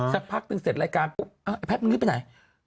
สักพักถึงเสร็จรายการแพทย์มึงนึกไปไหน